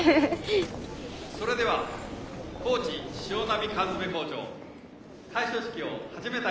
・それでは高知しおなみ缶詰工場開所式を始めたいと思います。